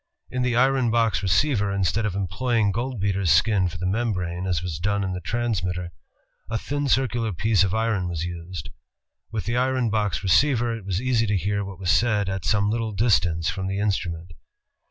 In the iron box receiver, instead of employ ing goldbeater's skin for the mem brane, as was done in the transmitter, a thin circular piece of iron was used. With the iron box receiver, it was easy to hear what was said at some little distance from the instrument.